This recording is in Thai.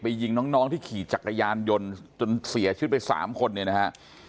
ยิงน้องที่ขี่จักรยานยนต์จนเสียชีวิตไปสามคนเนี่ยนะฮะ